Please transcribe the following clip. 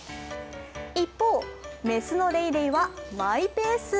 一方雌のレイレイはマイペース。